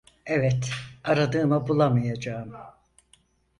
Evet, aradığımı bulamayacağım.